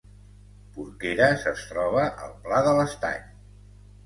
Porqueres es troba al Pla de l’Estany